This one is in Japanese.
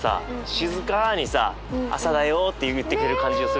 静かにさ朝だよって言ってくれる感じがするし。